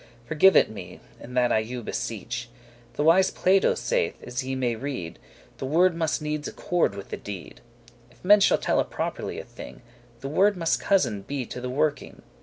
Forgive it me, and that I you beseech. The wise Plato saith, as ye may read, The word must needs accorde with the deed; If men shall telle properly a thing, The word must cousin be to the working.